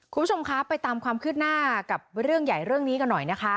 คุณผู้ชมคะไปตามความคืบหน้ากับเรื่องใหญ่เรื่องนี้กันหน่อยนะคะ